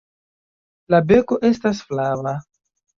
La beko estas flava.